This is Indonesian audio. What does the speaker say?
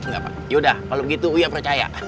yaudah kalau begitu uya percaya